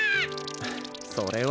それは。